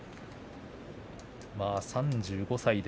３５歳。